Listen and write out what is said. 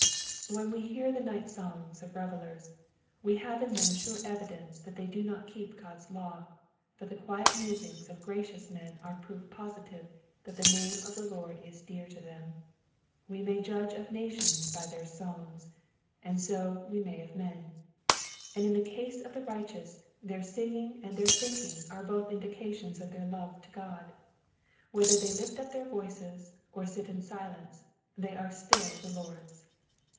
When we hear the night songs of revellers we have in them sure evidence that they do not keep God's law ; but the quiet musings of gracious men are proof positive that the name of the Lord is dear to them. We may judge of nations by their songs, and so we may of men ; and in the cuse of the righteous, their singing and their thinking are both indications of their love to God : whether they lift up their voices, or sit in silence, they are still the Lord's.